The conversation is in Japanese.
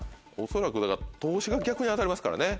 恐らくだから投資が逆に当たりますからね。